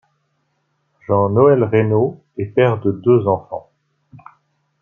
Jean-Noël Reynaud est père de deux enfants.